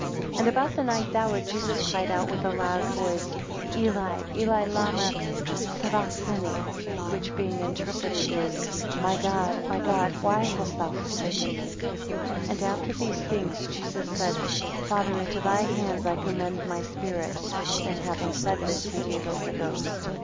3 And about the ninth hour Jesus cried out with a loud voice, Eli, Eli, lama sabacthani? which being interpreted is, My God, My God, why hast thou forsaken me? 4 And after these things, Jesus said, Father, into thy hands I commend my spirit; and having said this, he gave up the ghost.